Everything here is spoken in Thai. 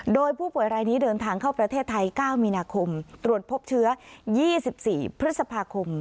โดยผู้ป่วยรายนี้เดินทางเข้าประเทศไทย๙มีนาคมตรวจพบเชื้อ๒๔พฤษภาคม